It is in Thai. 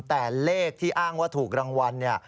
แต่เลขที่อ้างว่าถูกรางวัลเนี่ย